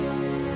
terima kasih aha